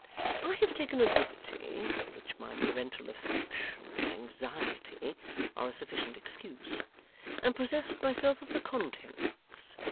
I have taken a liberty, for which my parental affection and anxiety are a sufficient excuse, and possessed myself of the contents.